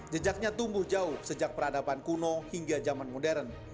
jejaknya tumbuh jauh sejak peradaban kuno hingga zaman modern